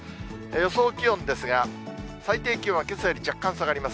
予想気温ですが、最低気温はけさより若干下がります。